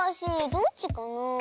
どっちかな？